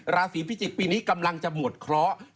ราศีพิจิกษ์ปีนี้กำลังจะหมดเคราะห์